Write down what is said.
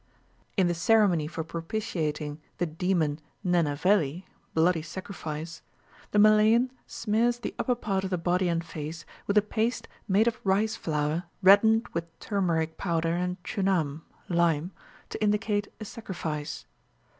In the ceremony for propitiating the demon Nenaveli (bloody sacrifice), the Malayan smears the upper part of the body and face with a paste made of rice flour reddened with turmeric powder and chunam (lime), to indicate a sacrifice.